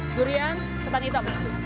durian tepat itu